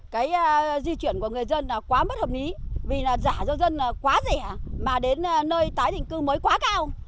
cái di chuyển của người dân quá mất hợp lý vì giả do dân quá rẻ mà đến nơi tái định cư mới quá cao